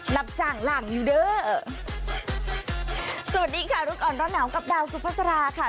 จ่างหลังอยู่เด้อสวัสดีค่ะรู้ก่อนร้อนหนาวกับดาวสุภาษาราค่ะ